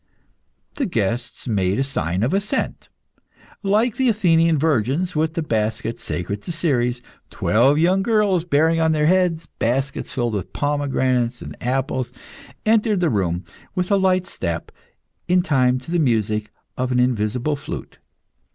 The guests made a sign of assent. Like the Athenian virgins with the baskets sacred to Ceres, twelve young girls, bearing on their heads baskets filled with pomegranates and apples, entered the room with a light step, in time to the music of an invisible flute.